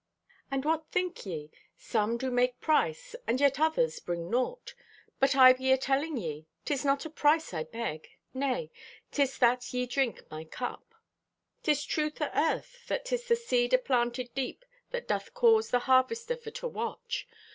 And what think ye? Some do make price, and yet others bring naught. But I be atelling ye, 'tis not a price I beg. Nay, 'tis that ye drink my cup." "'Tis truth o' earth that 'tis the seed aplanted deep that doth cause the harvester for to watch.